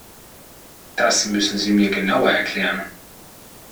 Das müssen Sie mir genauer erklären.